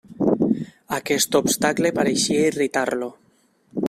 Aquest obstacle pareixia irritar-lo.